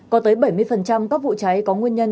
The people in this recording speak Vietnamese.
có tới bảy mươi các vụ cháy có nguyên nhân